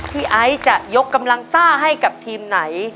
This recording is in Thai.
ไอซ์จะยกกำลังซ่าให้กับทีมไหน